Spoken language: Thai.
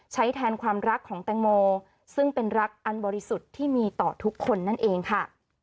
แทนความรักของแตงโมซึ่งเป็นรักอันบริสุทธิ์ที่มีต่อทุกคนนั่นเองค่ะ